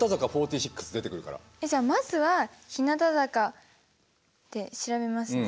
えっじゃあまずは日向坂で調べますね。